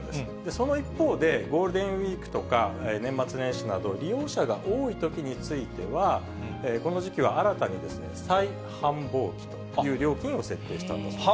その一方で、ゴールデンウィークとか、年末年始など利用者が多いときについては、この時期は新たに最繁忙期という料金を設定したんだそうです。